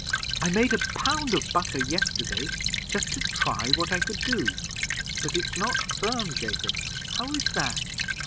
I made a pound of butter yesterday, just to try what I could do; but it's not firm, Jacob. How is that?"